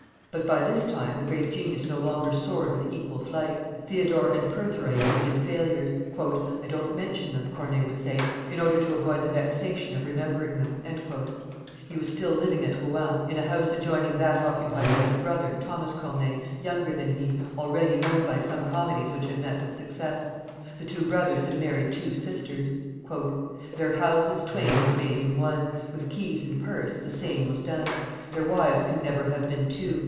But by this time the great genius no longer soared with equal flight. Theodore and Pertharite had been failures. "I don't mention them," Corneille would say, "in order to avoid the vexation of remembering them." He was still living at Rouen, in a house adjoining that occupied by his brother, Thomas Corneille, younger than he, already known by some comedies which had met with success. The two brothers had married two sisters. "Their houses twain were made in one; With keys and purse the same was done; Their wives can never have been two.